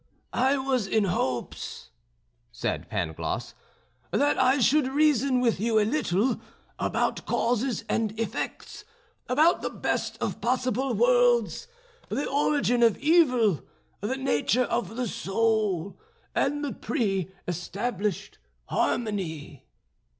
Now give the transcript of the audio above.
"I was in hopes," said Pangloss, "that I should reason with you a little about causes and effects, about the best of possible worlds, the origin of evil, the nature of the soul, and the pre established harmony."